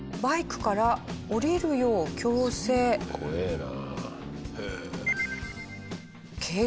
怖えな。